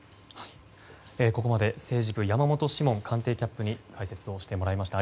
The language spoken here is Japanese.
ここまで政治部山本志門官邸キャップに解説をしてもらいました。